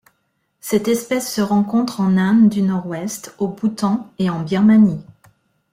Cette espèce se rencontre en Inde du Nord-Est, au Bhoutan et en Birmanie.